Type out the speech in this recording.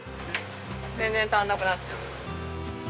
全然足らなくなっちゃう。